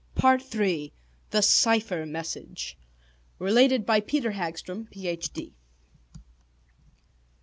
PART III The Cipher Message (Related by Peter Hagstrom, Ph.D.)